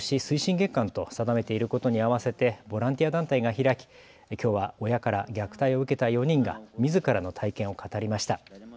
月間と定めていることに合わせてボランティア団体が開ききょうは親から虐待を受けた４人がみずからの体験を語りました。